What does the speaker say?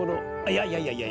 いやいやいやいや。